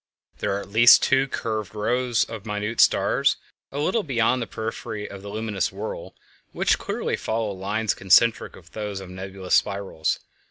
There are at least two curved rows of minute stars a little beyond the periphery of the luminous whirl which clearly follow lines concentric with those of the nebulous spirals.